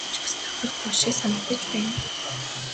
Надад ч бас тохирох тоо шиг санагдаж байна.